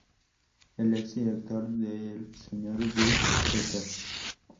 El ex director era el Sr. Willy Peeters.